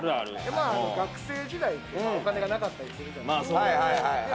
学生時代、お金がなかったりするじゃないですか。